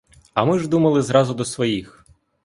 А ми ж думали зразу до своїх!